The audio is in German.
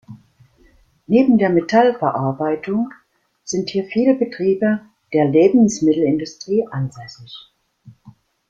Neben der Metallverarbeitung sind hier viele Betriebe der Lebensmittelindustrie ansässig.